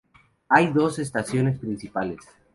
Hay dos estaciones principales.